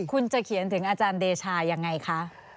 คุณจะเขียนถึงอาจารย์เดชายังไงคะ